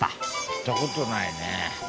行った事ないね。